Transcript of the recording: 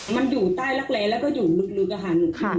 มันอยู่ใต้รักแร้แล้วก็อยู่ลึกอะค่ะ